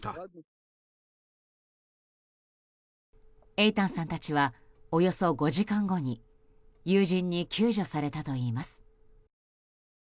エイタンさんたちはおよそ５時間後に友人に救助されたといいます。